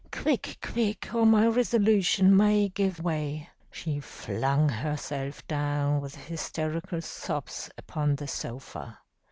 'Quick, quick, or my resolution may give way.' She flung herself down, with hysterical sobs, upon the sofa.